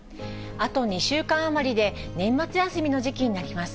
あと２週間余りで、年末休みの時期になります。